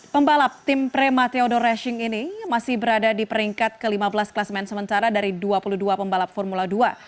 pembalap tim premateodo racing ini masih berada di peringkat ke lima belas klasemen sementara dari dua puluh dua pembalap formula dua